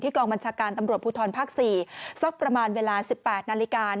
กองบัญชาการตำรวจภูทรภาค๔สักประมาณเวลา๑๘นาฬิกา